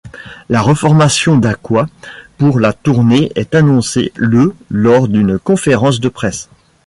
La reformation d'Aqua pour la tournée est annoncée le lors d'une conférence de presse.